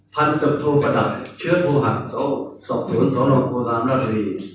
พันธุปฏิบัติเชื้อโภหัสโศกศูนย์ศาลงค์โธราณรัฐรี